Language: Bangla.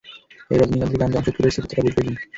এই রজনীকান্তের গান জমশেদপুরের শ্রোতারা বুঝবে কি?